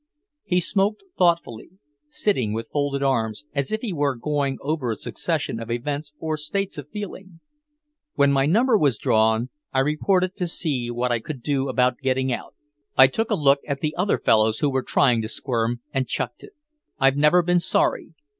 He smoked thoughtfully, sitting with folded arms, as if he were going over a succession of events or states of feeling. "When my number was drawn, I reported to see what I could do about getting out; I took a look at the other fellows who were trying to squirm, and chucked it. I've never been sorry.